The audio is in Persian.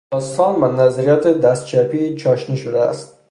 داستان با نظریات دست چپی چاشنی شده است.